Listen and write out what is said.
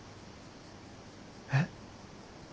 えっ？